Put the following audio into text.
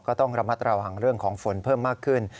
ก็ต้องระมัดระวังเรื่องของฝนเพิ่มมากขึ้น